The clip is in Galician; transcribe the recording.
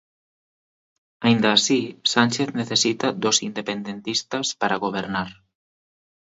Aínda así, Sánchez necesita dos independentistas para gobernar.